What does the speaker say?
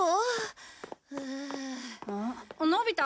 のび太。